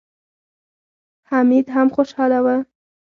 حميد هم خوشاله و.